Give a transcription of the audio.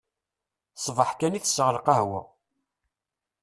Ṣbeḥ kan i tesseɣ lqahwa.